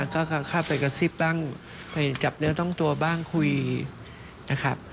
ก็เข้าไปกระซิบบ้างไปจับเนื้อต้องตัวบ้างคุยนะครับ